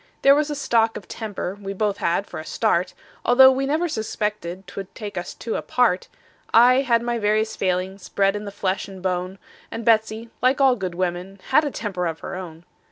There was a stock of temper we both had for a start, Although we never suspected 'twould take us two apart; I had my various failings, bred in the flesh and bone; And Betsey, like all good women, had a temper of her own.